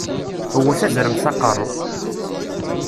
Wwet azrem s aqeṛṛu!